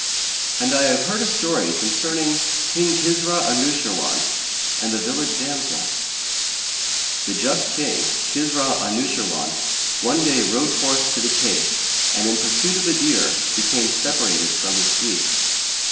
And I have heard a story concerning KING KISRA ANUSHIRWAN[FN#124] AND THE VILLAGE DAMSEL The Just King, Kisrα Anϊshirwαn, one day rode forth to the chase and, in pursuit of a deer, became separated from his suite.